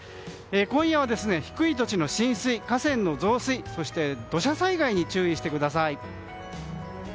今夜は低い土地の浸水河川の増水土砂災害に注意してください。